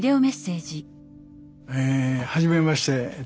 えはじめまして。